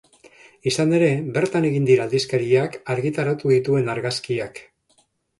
Izan ere, bertan egin dira aldizkariak argitaratu dituen argazkiak.